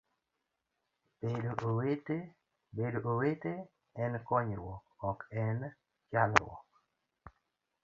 Bedo owete en konyruok ok en chalruok